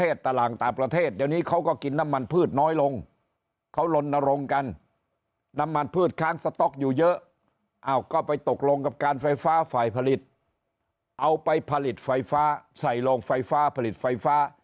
เอาไปผลิตไฟฟ้าใส่โรงไฟฟ้าผลิตไฟฟ้า